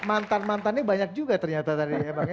mantan mantannya banyak juga ternyata tadi ya bang ya